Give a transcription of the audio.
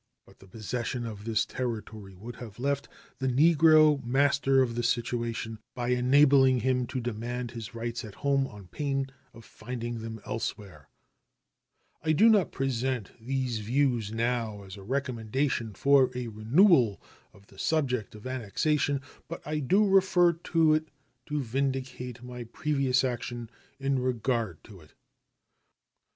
But the possession of this territory would have left the negro "master of the situation," by enabling him to demand his rights at home on pain of finding them elsewhere. I do not present these views now as a recommendation for a renewal of the subject of annexation, but I do refer to it to vindicate my previous action in regard to it.